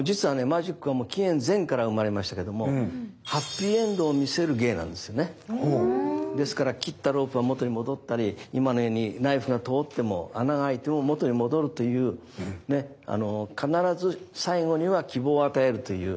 マジックは紀元前から生まれましたけどもですから切ったロープが元に戻ったり今のようにナイフが通っても穴が開いても元に戻るというね必ず最後には希望を与えるという。